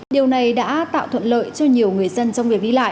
điều này đã tạo thuận lợi cho nhiều người dân trong việc đi lại